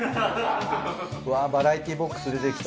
うわっバラエティーボックス出てきた。